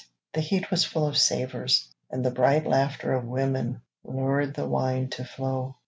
The heat was full of savors, and the bright Laughter of women lured the wine to flow.